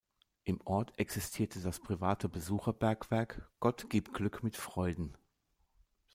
Im Ort existierte das private Besucherbergwerk "Gott gib Glück mit Freuden".